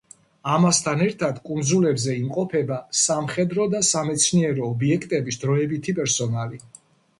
ამასთან ერთად კუნძულებზე იმყოფება სამხედრო და სამეცნიერო ობიექტების დროებითი პერსონალი.